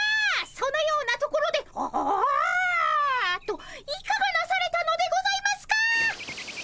そのようなところで「ああ」といかがなされたのでございますか？